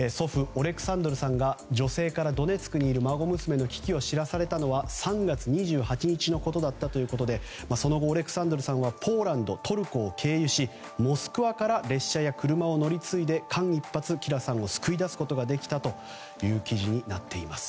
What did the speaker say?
オレクサンドルさんが女性からドネツクにいる孫娘の危機を知らされたのは３月２８日のことだったということでその後オレクサンドルさんはポーランド、トルコを経由しモスクワから車や列車を乗り継ぎ間一髪、キラさんを救い出すことができたという記事になっています。